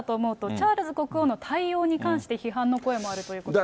チャールズ国王の対応に関して批判の声もあるということです。